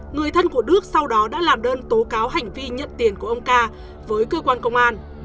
người thân của đức sau đó đã làm đơn tố cáo hành vi nhận tiền của ông ca với cơ quan công an